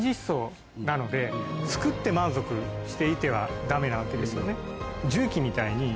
作って満足していてはダメなわけですよね。